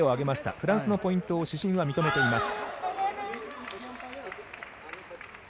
フランスのポイントを主審は認めています。